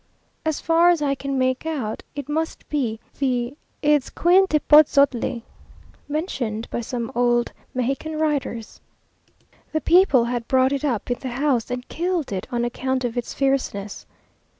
As far as I can make out it must be the itzcuintepotzotli, mentioned by some old Mexican writers. The people had brought it up in the house, and killed it on account of its fierceness.